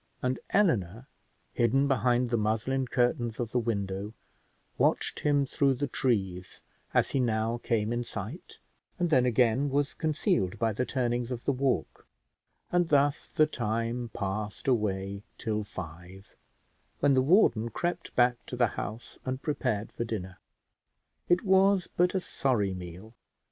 And Eleanor, hidden behind the muslin curtains of the window, watched him through the trees as he now came in sight, and then again was concealed by the turnings of the walk; and thus the time passed away till five, when the warden crept back to the house and prepared for dinner. It was but a sorry meal.